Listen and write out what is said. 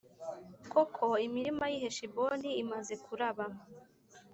Koko, imirima y’i Heshiboni imaze kuraba,